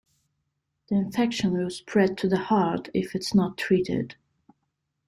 The infection will spread to the heart if it's not treated.